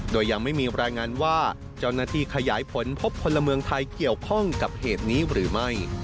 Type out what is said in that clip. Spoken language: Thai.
โดยยังไม่มีรายงานว่าเจ้าหน้าที่ขยายผลพบพลเมืองไทยเกี่ยวข้องกับเหตุนี้หรือไม่